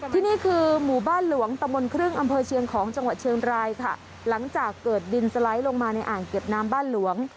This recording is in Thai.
ที่นี่คือหมู่บ้านหลวงตะมนต์ครึ่งอำเภอเชียงของจังหวัดเชียงรายค่ะหลังจากเกิดดินสไลด์ลงมาในอ่างเก็บน้ำบ้านหลวง